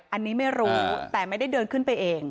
อันนี้ไม่รู้แต่ไม่ได้เดินขึ้นไปเอง